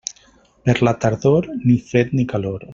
Per la tardor, ni fred ni calor.